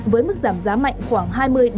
với mức giảm giá mạnh khoảng hai mươi ba mươi